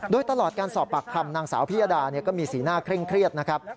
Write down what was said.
โดยตลอดการสอบปากคำนางสาวพิยดาก็มีสีหน้าเคร่งเครียดนะครับ